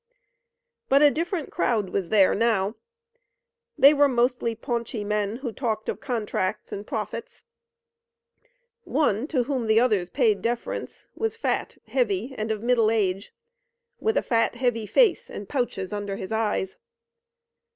But a different crowd was there now. They were mostly paunchy men who talked of contracts and profits. One, to whom the others paid deference, was fat, heavy and of middle age, with a fat, heavy face and pouches under his eyes.